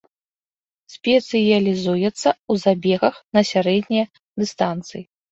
Спецыялізуецца ў забегах на сярэднія дыстанцыі.